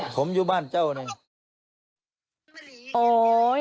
ผมอยู่บ้านเจ้าหนึ่ง